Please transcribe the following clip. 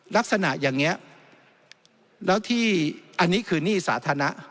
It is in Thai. ลักษณะอย่างนี้แล้วที่อันนี้คือหนี้สาธารณะ